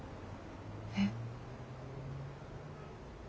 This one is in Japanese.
えっ。